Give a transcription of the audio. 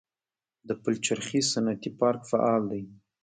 د پلچرخي صنعتي پارک فعال دی